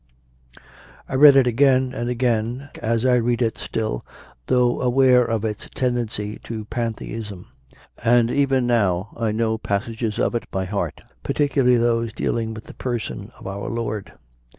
I read it again and again, as I read it still, though aware of its tendency to Pantheism; and even now I know passages of it by heart, par ticularly those dealing with the Person of Our Lord.